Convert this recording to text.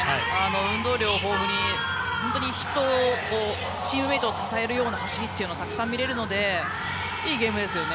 運動量を豊富に、本当にチームメートを支えるような走りというのをたくさん見れるのでいいゲームですよね。